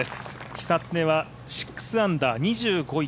久常は６アンダー２５位